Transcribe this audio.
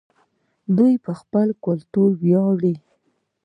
دوی په خپل کلتور ویاړي.